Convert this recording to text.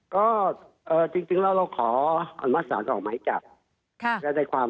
ก็จริงแล้วเราขออนุมัติศาสตร์ออกไหมจาก